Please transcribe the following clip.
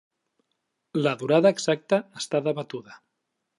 La durada exacta està debatuda.